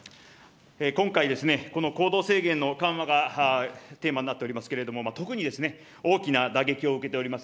今回、この行動制限の緩和がテーマになっておりますけれども、特に大きな打撃を受けております。